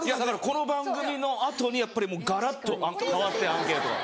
この番組の後にやっぱりがらっと変わってアンケートが。